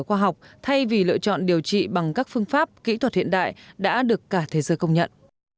khoa học thay vì lựa chọn điều trị bằng các phương pháp kỹ thuật hiện đại đã được cả thế giới công nhận